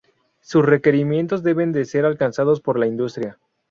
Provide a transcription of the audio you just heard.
Sus requerimientos deben de ser alcanzados por la industria.